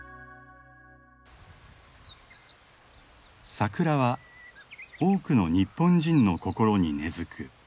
桜は多くの日本人の心に根づく神様の木だ。